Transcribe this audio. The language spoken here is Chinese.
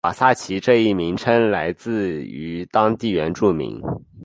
瓦萨奇这一名称来自于当地原住民。